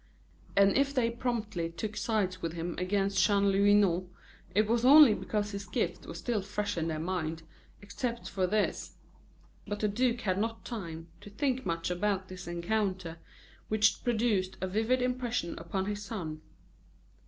And if they promptly took sides with him against Chanlouineau, it was only because his gift was still fresh in their minds; except for this But the duke had not time to think much about this encounter, which produced a vivid impression upon his son.